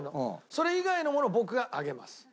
それ以外のものを僕が上げます。